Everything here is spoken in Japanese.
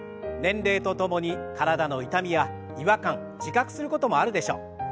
年齢とともに体の痛みや違和感自覚することもあるでしょう。